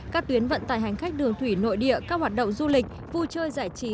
các tuyến vận tải hành khách đường thủy nội địa các hoạt động du lịch vui chơi giải trí